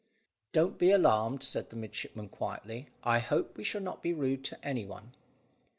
"Don't be alarmed," said the midshipman quietly. "I hope we shall not be rude to any one."